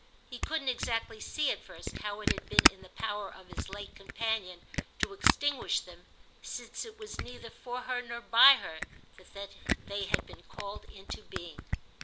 He couldn't exactly see at first how it had been in the power of his late companion to extinguish them, since it was neither for her nor by her that they had been called into being.